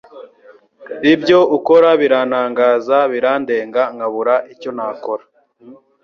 ibyo ukora birantangaza birandenga nkabura icyonakora